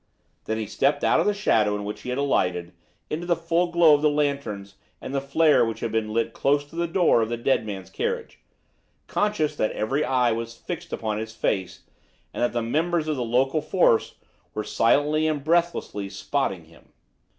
Then he stepped out of the shadow in which he had alighted into the full glow of the lanterns and the flare which had been lit close to the door of the dead man's carriage, conscious that every eye was fixed upon his face and that the members of the local force were silently and breathlessly "spotting" him.